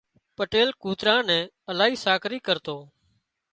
پٽيل ڪوترا ني الاهي ساڪري ڪرتو